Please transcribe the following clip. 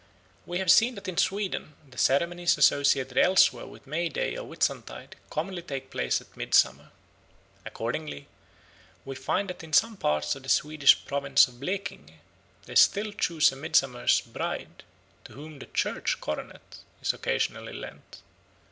We have seen that in Sweden the ceremonies associated elsewhere with May Day or Whitsuntide commonly take place at Midsummer. Accordingly we find that in some parts of the Swedish province of Blekinge they still choose a Midsummer's Bride, to whom the "church coronet" is occasionally lent.